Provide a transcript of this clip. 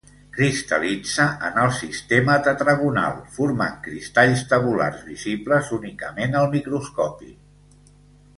Cristal·litza en el sistema tetragonal formant cristalls tabulars visibles únicament al microscopi.